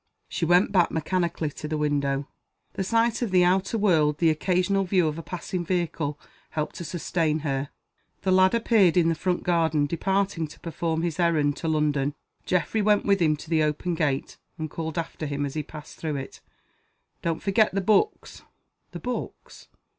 She went back mechanically to the window. The sight of the outer world, the occasional view of a passing vehicle, helped to sustain her. The lad appeared in the front garden departing to perform his errand to London. Geoffrey went with him to open the gate, and called after him, as he passed through it, "Don't forget the books!" The "books?"